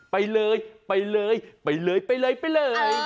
ไปเลยไปเลยไปเลยไปเลยไปเลย